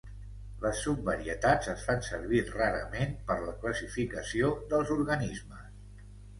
Les subvarietats es fan servir rarament per la classificació dels organismes.